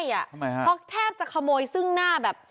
เขาแทบจะขโมยซึ้งหน้าแบบ